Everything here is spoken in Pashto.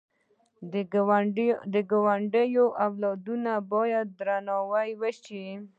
د ګاونډي اولادونه باید درناوی وشي